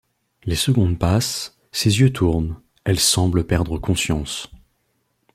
Les secondes passent, ses yeux tournent, elle semble perdre conscience.